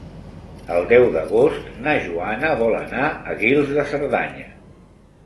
El deu d'agost na Joana vol anar a Guils de Cerdanya.